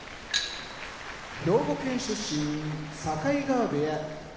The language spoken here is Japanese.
兵庫県出身境川部屋